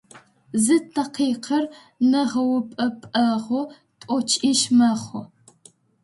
Зы такъикъыр нэгъэупӏэпӏэгъу тӏокӏищ мэхъу.